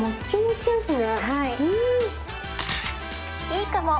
いいかも！